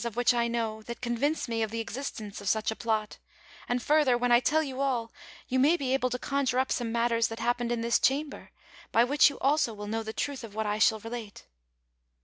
of which I know, that convince me of the existence of such a plot ; and, further, wlien I tell you all, you may be able to conjure up some matters that happened in this chamber, by which you also will know the truth of wiiat I shall relate.